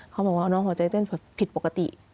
เขาบอกว่าน้องหัวใจเต้นผิดปกติ